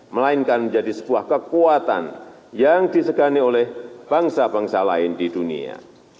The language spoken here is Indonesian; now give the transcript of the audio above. melainkan menjadi sebuah kekuatan yang disegani oleh bangsa bangsa lain di dunia